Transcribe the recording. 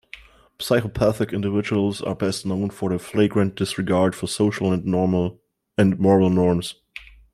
Psychopathic individuals are best known for their flagrant disregard for social and moral norms.